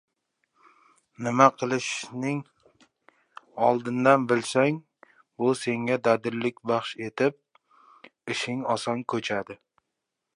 Nima qilishingni oldindan bilsang, bu senga dadillik baxsh etib, ishing oson ko‘chadi.